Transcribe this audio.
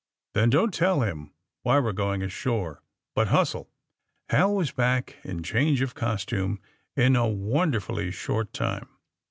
^'Then don't tell him why we're going ashore. But hustle!'^ Hal was back, in change of costume, in a won derfully short time.